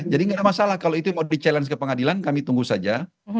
jadi gak ada masalah kalau itu mau di challenge ke pengadilan kami tunggu saja